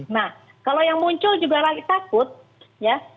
nah kalau yang muncul juga lagi takut ya